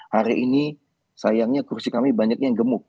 hari ini sayangnya kursi kami banyak yang gemuk